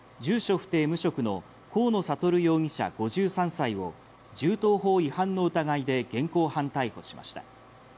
不定・無職の河野智容疑者、５３歳を銃刀法違反の疑いで現行犯逮捕しました。